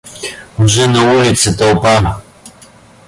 Уже на улице толпа.